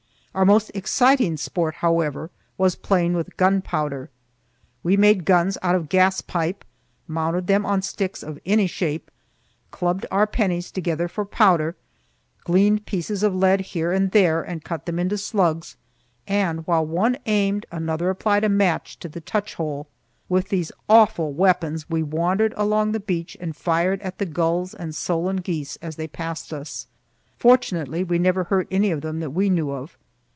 Our most exciting sport, however, was playing with gunpowder. We made guns out of gas pipe, mounted them on sticks of any shape, clubbed our pennies together for powder, gleaned pieces of lead here and there and cut them into slugs, and, while one aimed, another applied a match to the touch hole. With these awful weapons we wandered along the beach and fired at the gulls and solan geese as they passed us. Fortunately we never hurt any of them that we knew of.